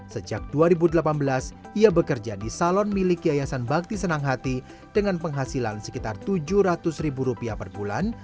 sejak dua ribu delapan belas ia bekerja di salon milik yayasan bakti senang hati dengan penghasilan sekitar tujuh ratus ribu rupiah per bulan